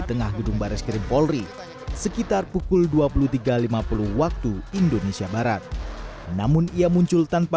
tengah gedung baris krim polri sekitar pukul dua puluh tiga lima puluh waktu indonesia barat namun ia muncul tanpa